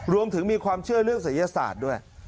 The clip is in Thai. รวมถึงมีความเชื่อเรื่องศัยศาสตร์ด้วย